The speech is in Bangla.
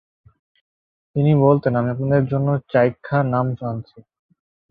তিনি বলতেন, আমি আপনাদের জন্য চাইখ্যা ‘নাম’ আনছি।